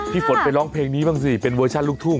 ฝนไปร้องเพลงนี้บ้างสิเป็นเวอร์ชันลูกทุ่ง